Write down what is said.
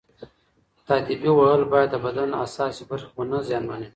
تاديبي وهل باید د بدن حساسې برخې ونه زیانمنوي.